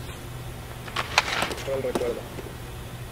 Golazo para el recuerdo.